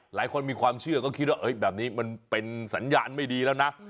หลายคนมีความเชื่อก็คิดว่าแบบนี้มันเป็นสัญญาณไม่ดีแล้วนะ